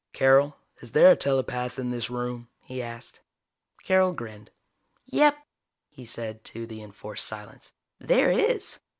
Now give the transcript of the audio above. "Carol, is there a telepath in this room?" he asked. Carol grinned. "Yep," he said to the enforced silence. "There is."